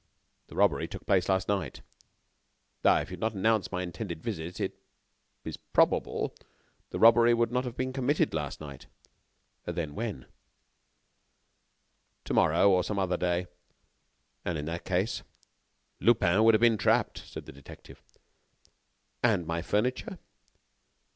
"The robbery took place last night." "If you had not announced my intended visit, it is probable the robbery would not have been committed last night." "When, then?" "To morrow, or some other day." "And in that case?" "Lupin would have been trapped," said the detective. "And my furniture?"